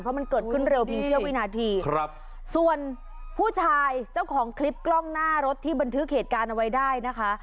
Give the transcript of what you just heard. เพราะมันเกิดขึ้นเร็วเพียงเสื้อวินาทีครับส่วนผู้ชายเจ้าของคลิปกล้องหน้ารถที่บันทึกเหตุการณ์เอาไว้ได้นะคะ